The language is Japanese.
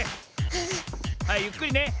はいゆっくりね。